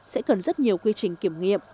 sẽ cần rất nhiều quy trình kiểm nghiệm